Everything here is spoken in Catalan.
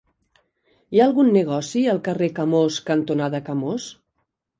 Hi ha algun negoci al carrer Camós cantonada Camós?